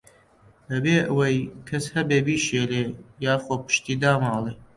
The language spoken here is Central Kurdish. بەبێ وەی کەس هەبێ بیشێلێ، یاخۆ پشتی داماڵێ